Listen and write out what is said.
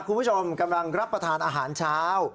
คุณผู้ชมกำลังรับประทานอาหารเช้า